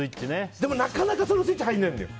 でも、なかなかそのスイッチが入らないんだよ。